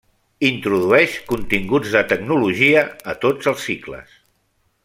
Introdueix continguts de Tecnologia a tots els cicles.